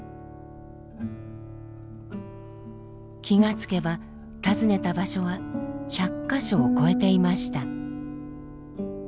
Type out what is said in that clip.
気がつけば訪ねた場所は１００か所を超えていました。